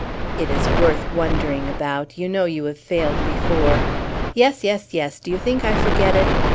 It is worth wondering about; you know you have failed before. Yes, yes, yes; do you think I forget it?